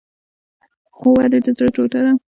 خور ولې د زړه ټوټه ده؟